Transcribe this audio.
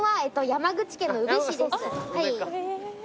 山口県の宇部市です。